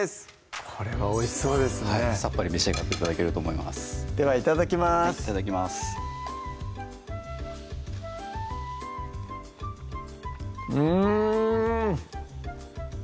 これはおいしそうですねさっぱり召し上がって頂けると思いますではいただきますいただきますうん！